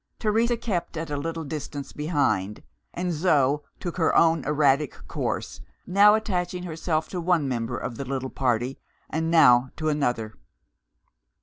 Teresa kept at a little distance behind; and Zo took her own erratic course, now attaching herself to one member of the little party, and now to another.